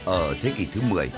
ở thế kỷ thứ một mươi